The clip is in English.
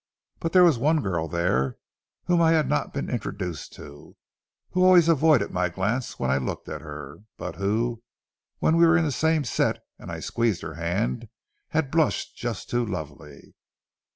But there was one girl there whom I had not been introduced to, who always avoided my glance when I looked at her, but who, when we were in the same set and I squeezed her hand, had blushed just too lovely.